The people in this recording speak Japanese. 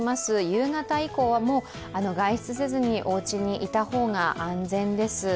夕方以降はもう外出せずに、おうちにいた方が安全です。